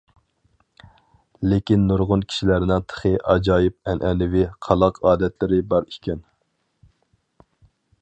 لېكىن نۇرغۇن كىشىلەرنىڭ تېخى ئاجايىپ ئەنئەنىۋى قالاق ئادەتلىرى بار ئىكەن.